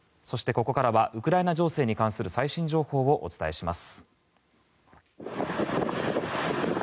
そしてここからはウクライナ情勢に関する最新情報をお伝えします。